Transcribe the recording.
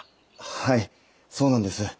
はいそうなんです。